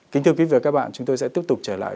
kính thưa quý vị và các bạn chúng tôi sẽ tiếp tục trở lại